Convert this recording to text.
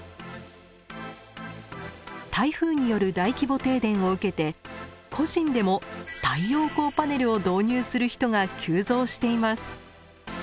台風による大規模停電を受けて個人でも太陽光パネルを導入する人が急増しています。